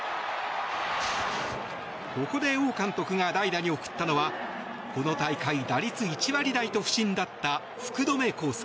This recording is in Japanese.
ここで王監督が代打に送ったのはこの大会、打率１割台と不振だった福留孝介。